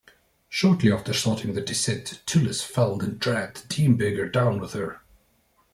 Shortly after starting their descent, Tullis fell and dragged Diemberger down with her.